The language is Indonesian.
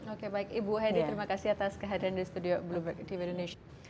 oke baik ibu hedi terima kasih atas kehadiran di studio di indonesia